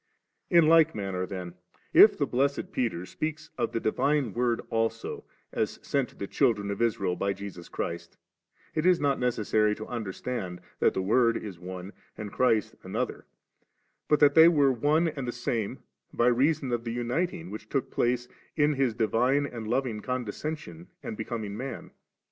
In like manner then, if the blessed Peter speak of the Divine Word also, as sent to the children of Israel by Jesus Christ, it Is BOt necessary to understand that the Word is one and Christ another, but that they were one and the same by reason of the uniting which took place in His divine and loving condescension and becoming man.